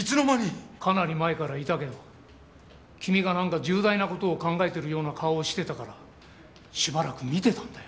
かなり前からいたけど君がなんか重大な事を考えてるような顔をしてたからしばらく見てたんだよ。